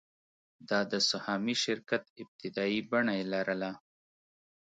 دا د سهامي شرکت ابتدايي بڼه یې لرله.